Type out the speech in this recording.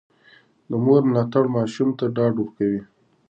د مور ملاتړ ماشوم ته ډاډ ورکوي.